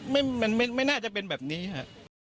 ไม่มันไม่น่าจะเป็นแบบนี้ครับ